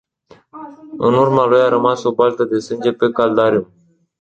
În urma lui, a rămas o baltă de sânge pe caldarâm.